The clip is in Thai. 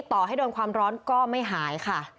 ต่อให้โดนความร้อนก็ไม่หายค่ะ